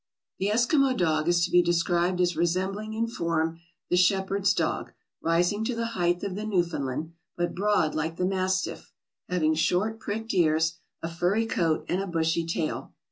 " The Eskimo dog is to be described as resembling in form the shepherd's dog, rising to the height of the Newfoundland, but broad like the mastiff; having short pricked ears, a furry coat, and a bushy tail.